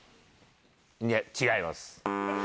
いや、違います。